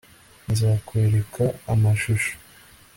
nzakwereka amashusho